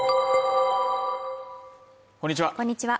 こんにちは